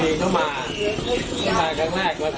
อาวุธแห่งแล้วพอเดินได้ผมว่าเจอบัตรภรรยากุศิษภัณฑ์